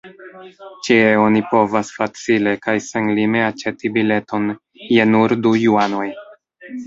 Ĉie oni povas facile kaj senlime aĉeti bileton je nur du juanoj.